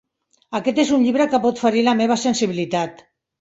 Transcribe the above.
Aquest és un llibre que pot ferir la meva sensibilitat.